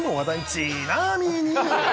ちなみに！